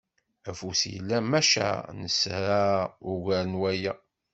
Afus yella maca nesra ugar n waya.